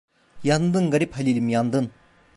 Yandın garip Halil'im, yandın!